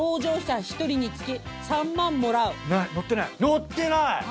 乗ってない！